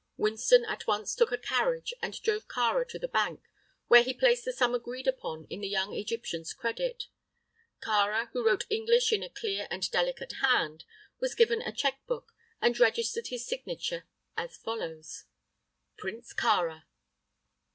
Winston at once took a carriage and drove Kāra to the bank, where he placed the sum agreed upon to the young Egyptian's credit. Kāra, who wrote English in a clear and delicate hand, was given a cheque book and registered his signature as follows: "Prince Kāra."